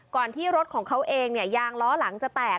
ก่อนที่รถของเขาเองยางล้อหลังจะแตก